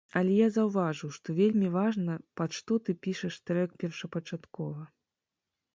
Але я заўважыў, што вельмі важна, пад што ты пішаш трэк першапачаткова.